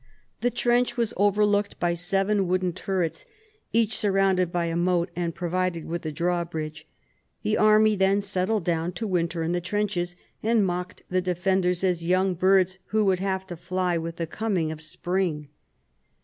The trench was overlooked by seven wooden turrets, each surrounded by a moat and provided with a drawbridge. The army then settled down to winter in the trenches, and mocked the defenders as young birds who would have to fly with the coming of spring.